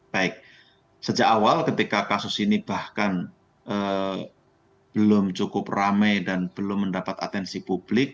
baik sejak awal ketika kasus ini bahkan belum cukup rame dan belum mendapat atensi publik